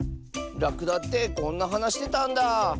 ラクダってこんなはなしてたんだあ。